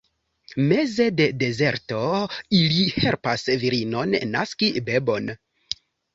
Meze de dezerto, ili helpas virinon naski bebon.